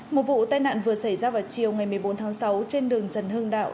một vụ tai nạn vừa xảy ra vào chiều ngày một mươi bốn tháng sáu trên đường trần hưng đạo